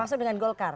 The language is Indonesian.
termasuk dengan golkar